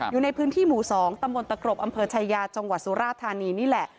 อยู่ในพื้นที่หมู่๒ตำบลตะกรบอำเภอชายาจังหวัดสุราธานีนี่แหละ